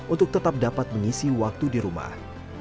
untuk tetap dapat mengisi waktu di rumah